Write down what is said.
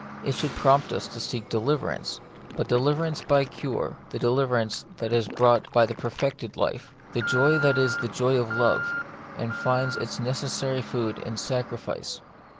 It should prompt us to seek deliverance, but deliverance by cure : the deliverance that is brought by a perfected life ; the joy that is the joy of love, and finds its necessary food in sacrifice.